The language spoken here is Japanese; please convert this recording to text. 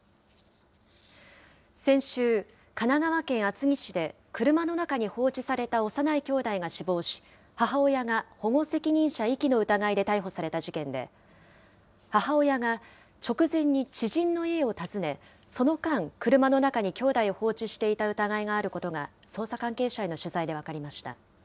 先週、神奈川県厚木市で車の中に放置された幼いきょうだいが死亡し、母親が保護責任者遺棄の疑いで逮捕された事件で、母親が直前に知人の家を訪ね、その間、車の中にきょうだいを放置していた疑いがあることが、捜査関係者への取材で分かりました。